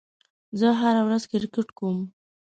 زه هره ورځ کرېکټ کوم.